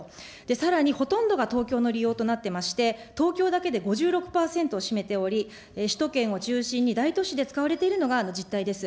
さらにほとんどが東京の利用となってまして、東京だけで５６％を占めており、首都圏を中心に大都市で使われているのが実態です。